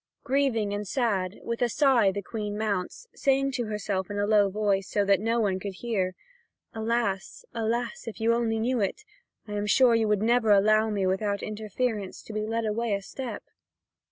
Grieving and sad, with a sigh the Queen mounts, saying to herself in a low voice, so that no one could hear: "Alas, alas, if you only knew it, I am sure you would never allow me without interference to be led away a step."